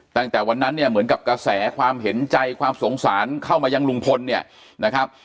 ตั้งแต่วันนั้นเนี่ยเหมือนกับกระแสความเห็นใจความสงสารเข้ามายังลุงพลเนี่ยนะครับ